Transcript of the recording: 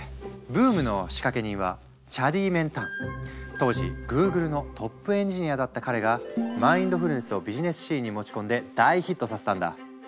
ブームの仕掛け人は当時グーグルのトップエンジニアだった彼がマインドフルネスをビジネスシーンに持ち込んで大ヒットさせたんだ。